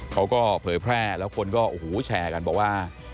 เขาก็เผยแพร่แล้วคนก็แชร์กันบอกว่า